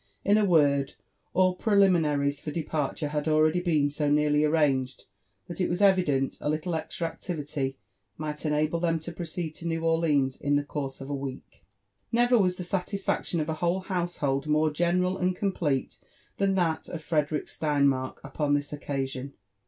In a word, all preliminaries for departure had already been so nearly ar ranged, that it was evident a little extra activity might enable them to proceed to New Orleans in the course of a week. Never was the satisfaction of a whole household more general and complete than that of Frederick Steinmark upon this occasion.